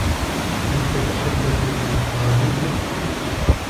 هل تتحدث الألبانية؟